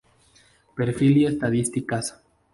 Perfil y estadísticas